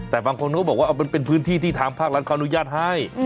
แต่บางคนก็บอกว่ามันเป็นพื้นที่ที่ทางภาครัฐเขาอนุญาตให้